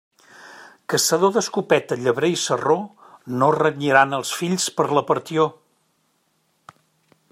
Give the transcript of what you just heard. Caçador d'escopeta, llebrer i sarró, no renyiran els fills per la partió.